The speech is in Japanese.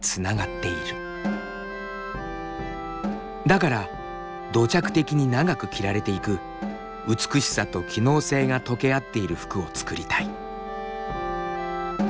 だから土着的に長く着られていく美しさと機能性が溶け合っている服を作りたい。